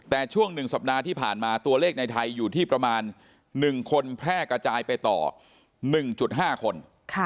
แต่ช่วง๑สัปดาห์ที่ผ่านมาตัวเลขในไทยอยู่ที่ประมาณ๑คนแพร่กระจายไปต่อ๑๕คน